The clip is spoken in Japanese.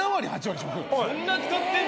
そんな使ってんの？